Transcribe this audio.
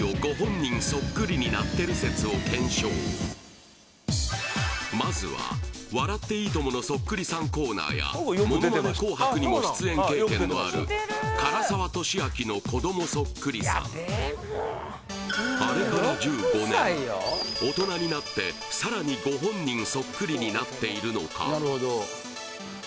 ＪＴまずは「笑っていいとも！」のそっくりさんコーナーや「ものまね紅白」にも出演経験のある唐沢寿明の子供そっくりさんあれから１５年大人になってさらにご本人そっくりになっているのか？